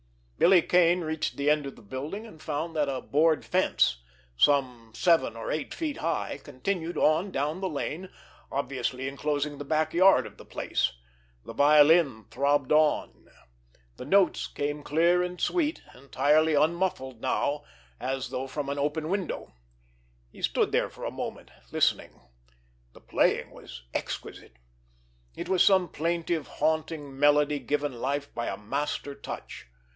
Billy Kane reached the end of the building, and found that a board fence, some seven or eight feet high, continued on down the lane, obviously enclosing the back yard of the place. The violin throbbed on. The notes came clear and sweet, entirely unmuffled now, as though from an open window. He stood there for a moment listening. The playing was exquisite. It was some plaintive, haunting melody given life by a master touch.